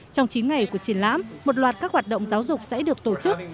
trong chín ngày của triển lãm một loạt các hoạt động giáo dục sẽ được tổ chức